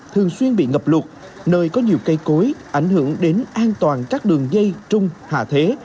thường xuyên bị ngập lụt nơi có nhiều cây cối ảnh hưởng đến an toàn các đường dây trung hạ thế